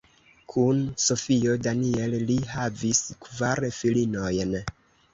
Kun Sofio Daniel li havis kvar filinojn.